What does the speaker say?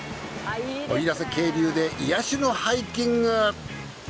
奥入瀬渓流で癒やしのハイキング。